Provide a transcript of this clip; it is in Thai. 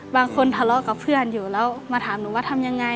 ทะเลาะกับเพื่อนอยู่แล้วมาถามหนูว่าทำยังไง